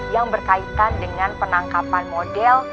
yang berkaitan dengan penangkapan model